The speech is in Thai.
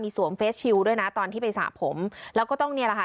สวมเฟสชิลด้วยนะตอนที่ไปสระผมแล้วก็ต้องเนี่ยแหละค่ะ